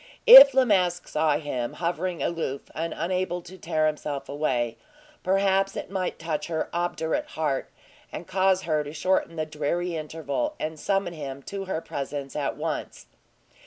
If La Masque saw him hovering aloof and unable to tear himself away, perhaps it might touch her obdurate heart, and cause her to shorten the dreary interval, and summon him to her presence at once.